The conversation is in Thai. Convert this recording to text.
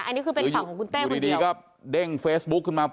อันนี้คือเป็นฝั่งของคุณเต้คนเดียวดูดีดีครับเด้งเฟซบุ๊กขึ้นมา